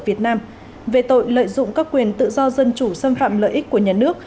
việt nam về tội lợi dụng các quyền tự do dân chủ xâm phạm lợi ích của nhà nước